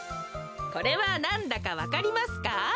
これはなんだかわかりますか？